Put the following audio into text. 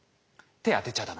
手当てちゃ駄目。